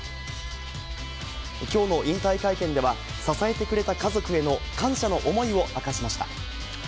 きょうの引退会見では、支えてくれた家族への感謝の思いを明かしました。